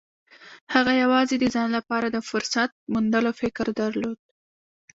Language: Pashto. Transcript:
هغه يوازې د ځان لپاره د فرصت موندلو فکر درلود.